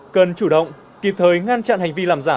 cần chủ động kịp thời ngăn chặn hành vi làm giả